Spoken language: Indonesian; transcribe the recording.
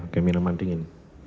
oke minuman dingin